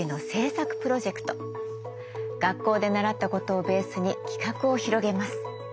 学校で習ったことをベースに企画を広げます。